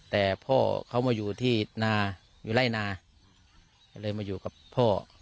แต่พ่อเขามาอยู่ที่นาอยู่ไล่นาก็เลยมาอยู่กับพ่อ